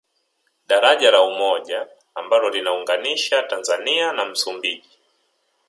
Daraja la Umoja ambalo lina unganisha Tanzania na Msumbiji